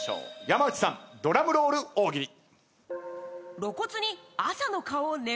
山内さんドラムロール大喜利。